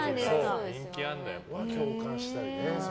共感したりね。